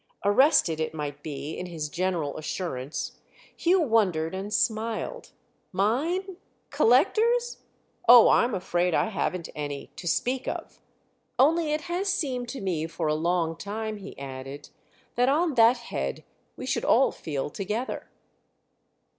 Arrested, it might be, in his general assurance, Hugh wondered and smiled. "Mine—collectors? Oh, I'm afraid I haven't any—to speak of. Only it has seemed to me for a long time," he added, "that on that head we should all feel together."